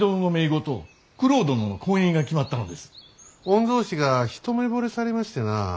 御曹司が一目ぼれされましてな。